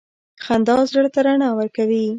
• خندا زړه ته رڼا ورکوي.